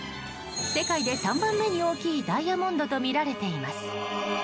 世界で３番目に大きいダイヤモンドとみられています。